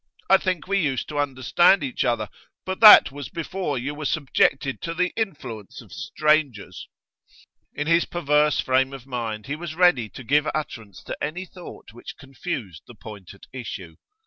I think we used to understand each other, but that was before you were subjected to the influence of strangers.' In his perverse frame of mind he was ready to give utterance to any thought which confused the point at issue.